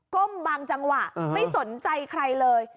ก้มบางจังหวะไม่สนใจใครเลย